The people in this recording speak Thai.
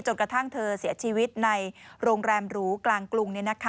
กระทั่งเธอเสียชีวิตในโรงแรมหรูกลางกรุง